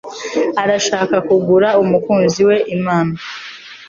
Arashaka kugura umukunzi we impano.